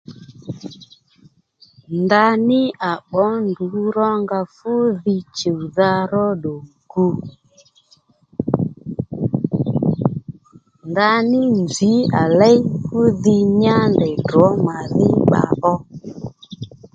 Ndaní à bbǒ ndrǔ rónga fú dhi chùwdha ró ddù gu ndaní nzǐ à léy fú dhi nyá ndèy ddrǒ madhí bba ó